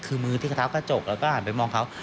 คือมือที่กระเท้ากระจกแล้วก็หันไปมองเขา